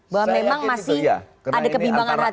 bahwa memang masih ada kebimbangan hati